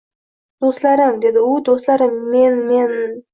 Do`stlarim, dedi u, do`stlarim, men, men…